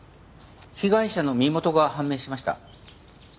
被害者の身元が判明しました。